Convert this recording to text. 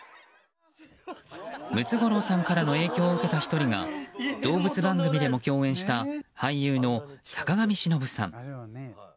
ムツゴロウさんからの影響を受けた１人が動物番組でも共演した俳優の坂上忍さん。